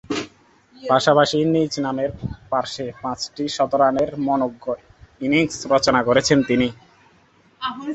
পাশাপাশি নিজ নামের পার্শ্বে পাঁচটি শতরানের মনোজ্ঞ ইনিংস রচনা করেছেন তিনি।